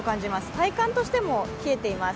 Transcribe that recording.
体感としても冷えています。